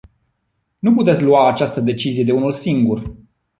Nu puteți lua această decizie de unul singur.